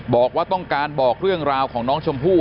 บอกว่าต้องการบอกเรื่องราวของน้องชมพู่